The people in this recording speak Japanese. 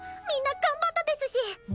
みんな頑張ったですし！